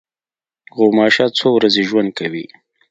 غوماشه څو ورځې ژوند کوي.